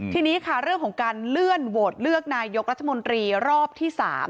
ทีนี้ค่ะเรื่องของการเลื่อนโหวตเลือกนายกรัฐมนตรีรอบที่๓